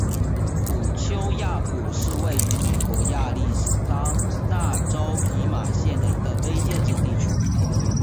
古丘亚普是位于美国亚利桑那州皮马县的一个非建制地区。